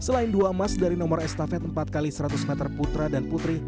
selain dua emas dari nomor estafet empat x seratus meter putra dan putri